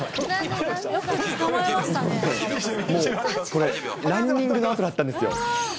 これ、ランニングのあとだったんですよ。